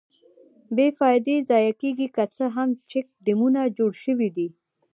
بې فایدې ضایع کېږي، که څه هم چیک ډیمونه جوړ شویدي.